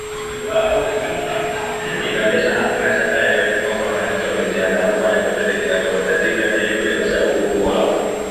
Inaonyesha hakuna shaka yoyote kwamba wananchi wamejiandaa kufanya chochote kinachohitajika ili kurejesha utu wao